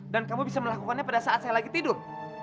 dan kamu bisa melakukannya pada saat saya lagi tidur